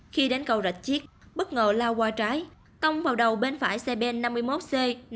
khi đến cầu rạch chiếc bất ngờ lao qua trái tông vào đầu bên phải xe bèn năm mươi một c năm mươi bốn nghìn tám trăm một mươi bốn